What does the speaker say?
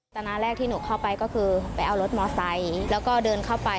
ตอนนั้นแรกที่หนูเข้าไปก็คือไปเอารถมอไซค์แล้วก็เดินเข้าไป